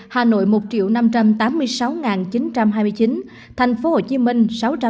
hà nội một năm trăm tám mươi sáu chín trăm hai mươi chín thành phố hồ chí minh sáu trăm linh tám bốn trăm năm mươi